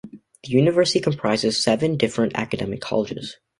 The university comprises seven different academic colleges.